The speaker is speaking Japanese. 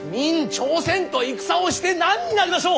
朝鮮と戦をして何になりましょう！